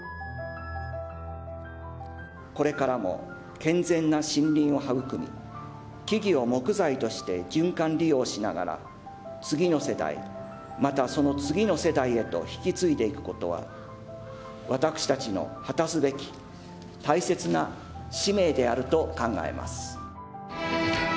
これからも、健全な森林を育み、木々を木材として循環利用しながら、次の世代、またその次の世代へと引き継いでいくことは、私たちの果たすべき大切な使命であると考えます。